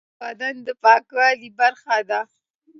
غول د بدن د پاکوالي برخه ده.